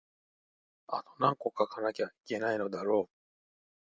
あとなんこ書かなきゃいけないのだろう